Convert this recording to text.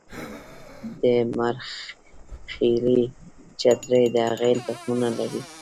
د مرخیړي چترۍ د هغې تخمونه لري